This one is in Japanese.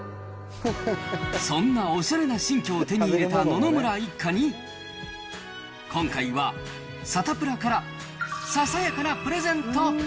そんなおしゃれな新居を手に入れた野々村一家に、今回はサタプラからささやかなプレゼント。